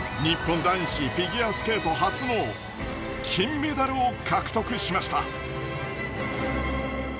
日本男子フィギュアスケート初の金メダルを獲得しました。